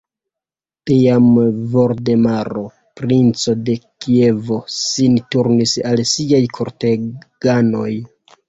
Tiam Voldemaro, princo de Kievo, sin turnis al siaj korteganoj.